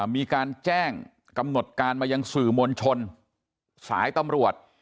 มีการแจ้งกำหนดการมายังสื่อมวลชนสายตำรวจ